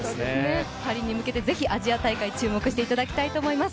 パリに向けてぜひアジア大会注目していただきたいと思います。